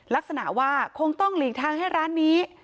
ลักษณะว่าคงต้องหลีกทางให้ร้านนี้